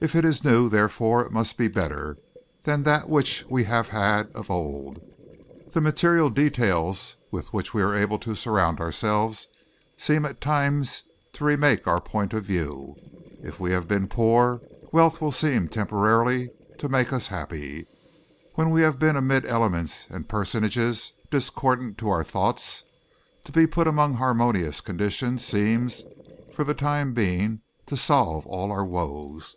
If it is new, therefore it must be better than that which we have had of old. The material details with which we are able to surround ourselves seem at times to remake our point of view. If we have been poor, wealth will seem temporarily to make us happy; when we have been amid elements and personages discordant to our thoughts, to be put among harmonious conditions seems, for the time being, to solve all our woes.